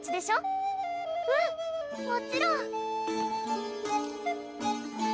うんもちろん。